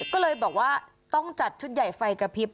ก็เลยบอกว่าต้องจัดชุดใหญ่ไฟกระพริบ